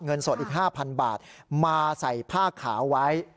เงินสดอีก๕๐๐๐บาทมาใส่ผ้าขาวไว้